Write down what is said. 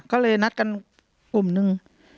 ก็เลยนัดกันกลุ่มนึง